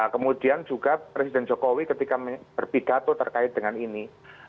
kemudian juga presiden jokowi ketika berpidato terkait dengan ini